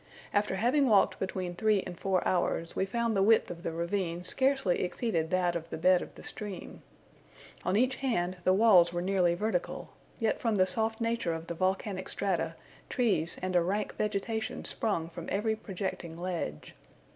After having walked between three and four hours, we found the width of the ravine scarcely exceeded that of the bed of the stream. On each hand the walls were nearly vertical, yet from the soft nature of the volcanic strata, trees and a rank vegetation sprung from every projecting ledge.